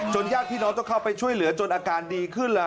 จนยากพี่น้องจะเข้าไปช่วยเหลือจนอาการดีขึ้นละ